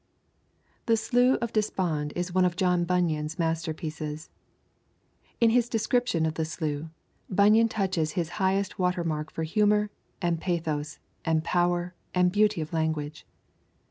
The Slough of Despond is one of John Bunyan's masterpieces. In his description of the slough, Bunyan touches his highest water mark for humour, and pathos, and power, and beauty of language.